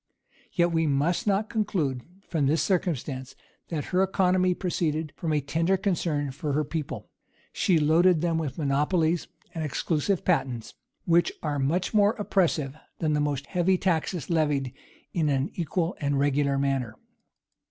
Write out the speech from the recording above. Yet we must not conclude, from this circumstance, that her economy proceeded from a tender concern for her people; she loaded them with monopolies and exclusive patents, which are much more oppressive than the most heavy taxes levied in an equal and regular manner.